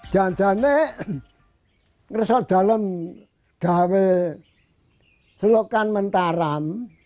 jangan jangan ini kita sudah tahu tentang selokan mataram